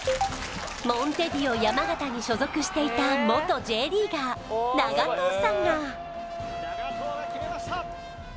モンテディオ山形に所属していた元Ｊリーガー永藤さんが永藤がきめました